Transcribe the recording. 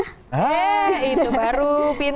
heee itu baru pintar